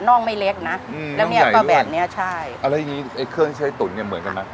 ่องไม่เล็กนะอืมแล้วเนี้ยก็แบบเนี้ยใช่แล้วอย่างงี้ไอ้เครื่องที่ใช้ตุ๋นเนี่ยเหมือนกันไหม